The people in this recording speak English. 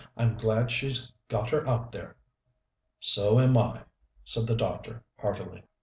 I'm glad she's got her out there." "So am I," said the doctor heartily.